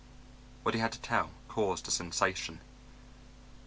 What he had to tell caused a sensation.